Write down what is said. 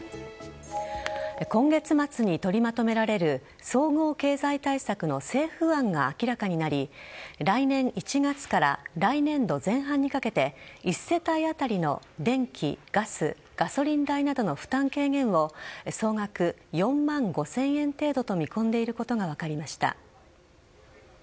今月末に取りまとめられる総合経済対策の政府案が明らかになり来年１月から来年度前半にかけて１世帯当たりの電気、ガスガソリン代などの負担軽減を総額４万５０００円程度と見込んでいることが分かりました。